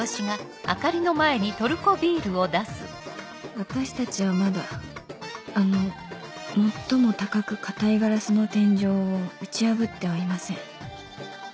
「私たちはまだあの最も高く硬いガラスの天井を打ち破ってはいません」